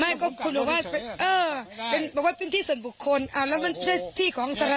ไม่ก็คุณบอกว่าเออเป็นบอกว่าเป็นที่ส่วนบุคคลแล้วมันไม่ใช่ที่ของสาร